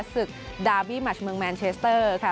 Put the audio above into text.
ศึกดาบี้มัชเมืองแมนเชสเตอร์ค่ะ